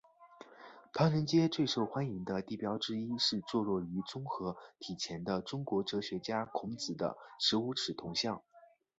唐人街最受欢迎的地标之一是坐落于综合体前的中国哲学家孔子的十五尺铜像。